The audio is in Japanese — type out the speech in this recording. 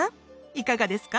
いかがですか？